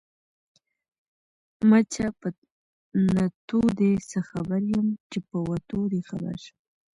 ـ مچه په نتو دې څه خبر يم ،چې په وتو دې خبر شم.